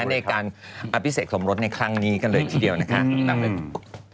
ในการอภิเษกสมรสในครั้งนี้กันเลยทีเดียวนะคะ